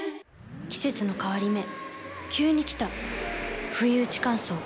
季節の変わり目急に来たふいうち乾燥。